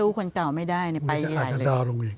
มันจะอาจจะดาวลงอีก